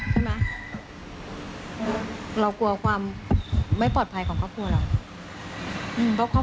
ใช่ไหมเรากลัวความไม่ปลอดภัยของครอบครัวเรา